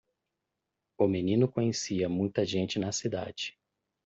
O menino conhecia muita gente na cidade.